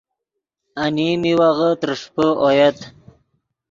انیم میوغے ترݰپے اویت